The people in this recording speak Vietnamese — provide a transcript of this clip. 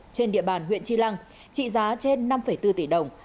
trên địa bàn huyện tri lăng trị giá trên năm bốn tỷ đồng